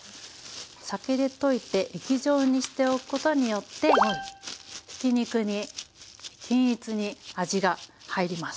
酒で溶いて液状にしておくことによってひき肉に均一に味が入ります。